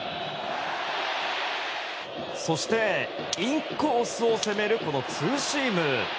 そしてインコースを攻めるツーシーム！